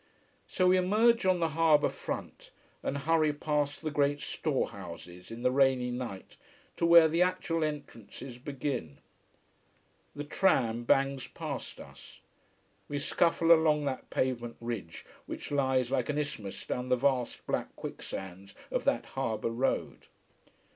So we emerge on the harbour front, and hurry past the great storehouses in the rainy night, to where the actual entrances begin. The tram bangs past us. We scuffle along that pavement ridge which lies like an isthmus down the vast black quicksands of that harbour road.